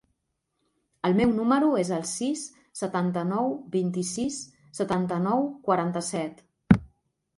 El meu número es el sis, setanta-nou, vint-i-sis, setanta-nou, quaranta-set.